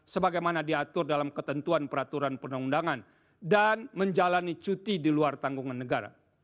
sebagaimana diatur dalam ketentuan peraturan perundang undangan dan menjalani cuti di luar tanggungan negara